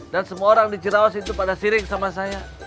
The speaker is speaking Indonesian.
dan semua orang di ciraos itu pada siring sama saya